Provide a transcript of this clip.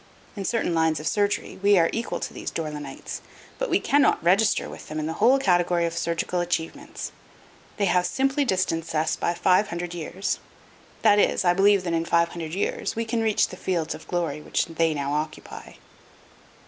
In certain lines of surgery we are equal to these Dore lynites, but we cannot register with them in the whole category of surgical achievements. They have simply distanced us by five hundred years. That is, I believe that in five hundred years we can reach the fields of glory which they now occupy.